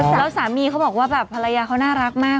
แล้วสามีเขาบอกว่าแบบภรรยาเขาน่ารักมาก